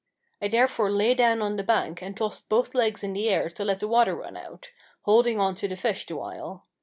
I therefore lay down on the bank and tossed both legs in the air to let the water run out holding on to the fish the while.